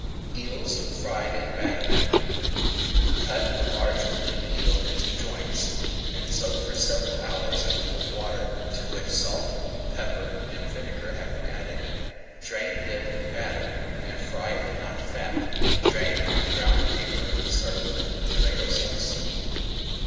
[Page 116] EELS FRIED IN BATTER Cut a large cleaned eel into joints, and soak for several hours in cold water, to which salt, pepper, and vinegar have been added. Drain dip in batter, and fry in hot fat. Drain on brown paper and serve with Tomato Sauce.